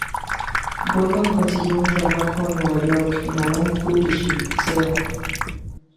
Gordon consiguió un trabajo en Nueva York en Avon Publishing Co.